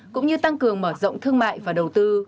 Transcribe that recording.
cũng như tăng cường mở rộng thương mại và đầu tư